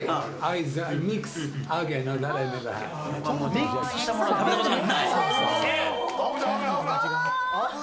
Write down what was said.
ミックスしたものは食べたことがあぶな。